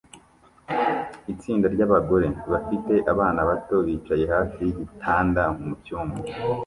Itsinda ryabagore bafite abana bato bicaye hafi yigitanda mucyumba